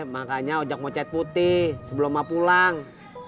makanya ojak mau cat putih sebelum emang pulang